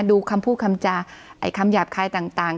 ดูคำพูดคำจาไอ้คำหยาบคายต่าง